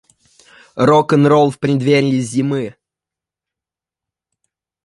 Рок-н-ролл в предверьи зимы.